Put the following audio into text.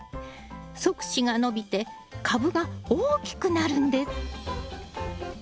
側枝が伸びて株が大きくなるんです。